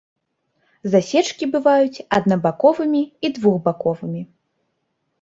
Засечкі бываюць аднабаковымі і двухбаковымі.